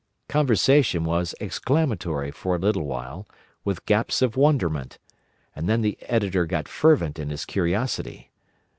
Conversation was exclamatory for a little while with gaps of wonderment; and then the Editor got fervent in his curiosity.